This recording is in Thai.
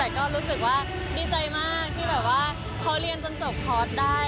แต่ก็รู้สึกว่าดีใจมากที่แบบว่าเขาเรียนจนจบคอร์สได้